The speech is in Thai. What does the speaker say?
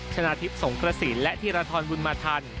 ชนะทิพย์สงครสีนและธิรธรรมบุญมาธรรม